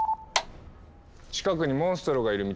近くにモンストロがいるみたいだぞ。